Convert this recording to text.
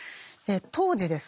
当時ですね